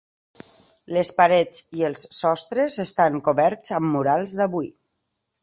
Les parets i els sostres estan coberts amb murals d'avui.